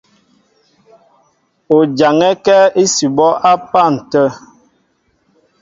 O jaŋɛ́kɛ́ ísʉbɔ́ á pân tə̂.